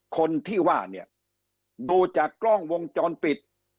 คนที่ว่าเนี่ยดูจากกล้องวงจรปิด